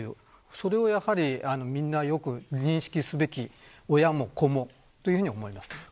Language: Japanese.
それを、みんなよく認識すべき親も子もというふうに思います。